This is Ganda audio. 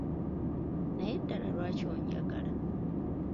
Naye ddala lwaki onjagala?